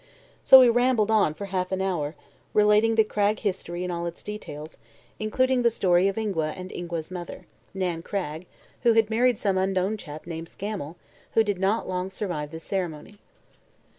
So he rambled on for a half hour, relating the Cragg history in all its details, including the story of Ingua and Ingua's mother, Nan Cragg, who had married some unknown chap named Scammel, who did not long survive the ceremony.